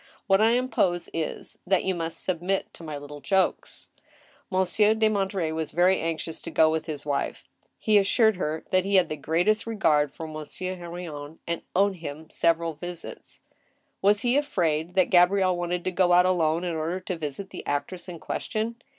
What I impose is, that you must submit to my little jokes." Monsieur de Monterey was very anxious to go with his wife. He assured her that he had the greatest regard for Mo»3ieur He/irion, and owed him several visits. Was be afraid that Gabrielle wanted to go out alone in order to visit the actress in question